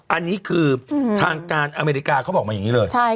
อันนี้คือทางการอเมริกาเขาบอกมาอย่างนี้เลย